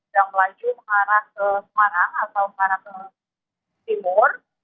yang melaju ke arah semarang atau ke arah timur